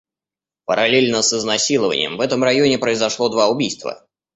Параллельно с изнасилованием в этом районе произошло два убийства.